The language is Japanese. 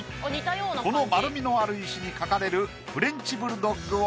この丸みのある石に描かれるフレンチブルドッグは。